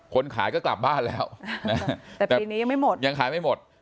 คนขายก็กลับบ้านแล้วแต่ปีนี้ยังไม่หมดยังขายไม่หมด